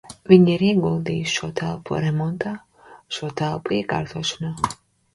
Viņi ir ieguldījuši šo telpu remontā, šo telpu iekārtošanā.